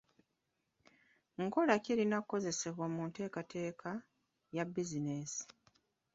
Nkola ki erina okukozesebwa mu kukola enteekateeka ya bizinensi?